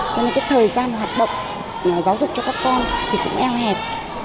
cho nên cái thời gian hoạt động giáo dục cho các con thì cũng eo hẹp